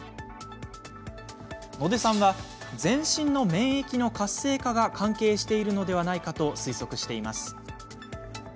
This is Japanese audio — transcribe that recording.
野出さんは全身の免疫の活性化が関係しているのではないかと推測しています。